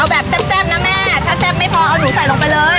แบบแซ่บนะแม่ถ้าแซ่บไม่พอเอาหนูใส่ลงไปเลย